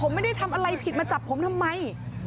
ผมไม่ได้ทำอะไรผิดมาจับผมทำไม